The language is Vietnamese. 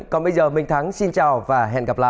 còn bây giờ minh thắng xin chào và hẹn gặp lại